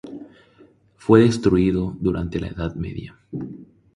Fue destruido durante la Edad Media.